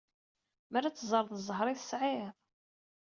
Mer ad teẓreḍ zzheṛ i tesɛiḍ!